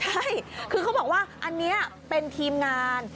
ใช่คือเขาบอกว่าอันนี้เป็นทีมงาน